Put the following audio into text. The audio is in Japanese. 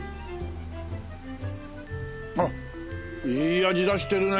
あっいい味出してるね！